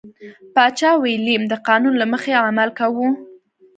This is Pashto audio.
پاچا ویلیم د قانون له مخې عمل کاوه.